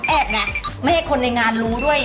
ไงไม่ให้คนในงานรู้ด้วย